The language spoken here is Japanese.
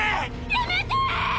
やめて‼